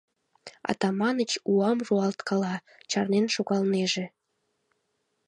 Атаманыч уам руалткала, чарнен шогалнеже.